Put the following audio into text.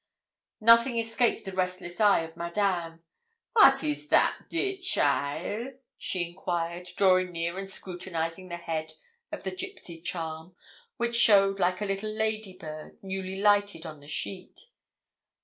Nothing escaped the restless eye of Madame. 'Wat is that, dear cheaile?' she enquired, drawing near and scrutinising the head of the gipsy charm, which showed like a little ladybird newly lighted on the sheet.